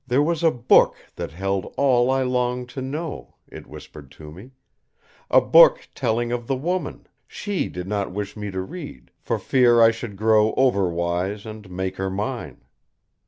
There was a book that held all I longed to know, It whispered to me. A book telling of the woman! She did not wish me to read, for fear I should grow overwise and make her mine.